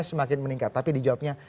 semakin meningkat tapi dijawabnya